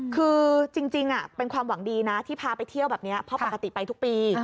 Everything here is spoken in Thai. คือจริงเป็นความหวังดีนะที่พาไปเที่ยวแบบนี้เพราะปกติไปทุกปี